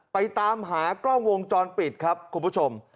ตามหากล้องวงจรปิดครับคุณผู้ชม